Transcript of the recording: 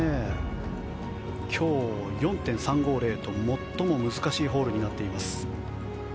今日、４．３５０と最も難しいホールになっています。